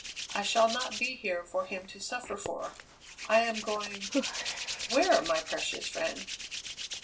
I shall not be here for him to suffer for; I am going " "Where, my precious friend?"